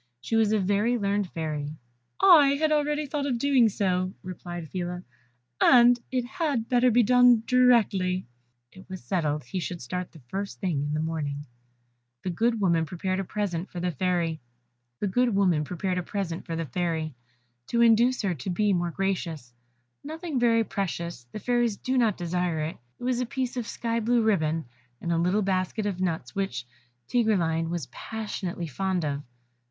She was a very learned Fairy. "I had already thought of doing so," replied Phila, "and it had better be done directly." It was settled he should start the first thing in the morning. The good woman prepared a present for the Fairy, to induce her to be more gracious nothing very precious, the Fairies do not desire it it was a piece of sky blue ribbon, and a little basket of nuts, which Tigreline was passionately fond of.